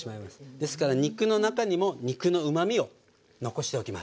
ですから肉の中にも肉のうまみを残しておきます。